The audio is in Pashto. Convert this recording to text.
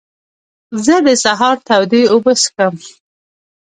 زه د سهار تودې اوبه څښم.